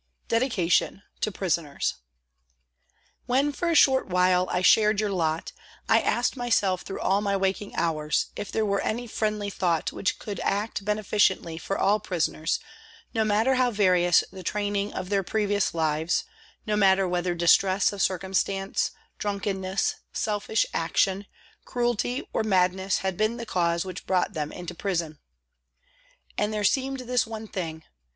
DEDICATION TO PRISONERS WHEN, for a short while, I shared your lot, I asked myself through all my waking hours if there were any friendly thought which could act beneficently for all prisoners, no matter how various the training of their previous lives, no matter whether distress of circumstance, drunkenness, selfish action, cruelty, or madness had been the cause which brought them into prison. And there seemed this one thing.